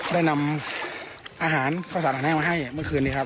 ได้นำอาหารเข้าสระหนักแน่งมาให้เมื่อคืนนี้ครับ